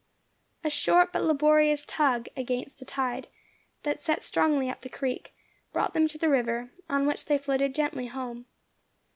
A short but laborious tug against the tide, that set strongly up the creek, brought them to the river, on which they floated gently home.